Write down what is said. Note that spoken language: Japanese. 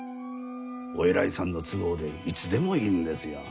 お偉いさんの都合でいつでもいいんですよ。